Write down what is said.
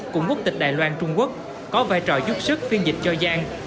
cùng quốc tịch đài loan trung quốc có vai trò giúp sức phiên dịch cho giang